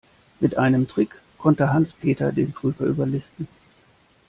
Mit einem Trick konnte Hans-Peter den Prüfer überlisten.